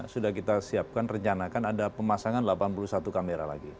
sudah kita siapkan rencanakan ada pemasangan delapan puluh satu kamera lagi